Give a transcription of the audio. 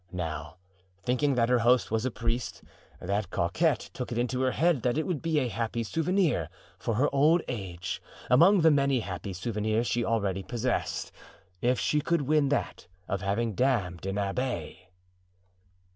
Now, thinking that her host was a priest, that coquette took it into her head that it would be a happy souvenir for her old age, among the many happy souvenirs she already possessed, if she could win that of having damned an abbé."